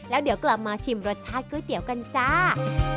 แล้วเดี๋ยวกลับมาชิมรสชาติก๋วยเตี๋ยวกันจ้า